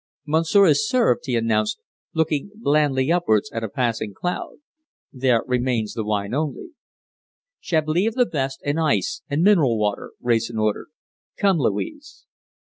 "Monsieur is served," he announced, looking blandly upwards at a passing cloud. "There remains the wine only." "Chablis of the best, and ice, and mineral water," Wrayson ordered. "Come, Louise."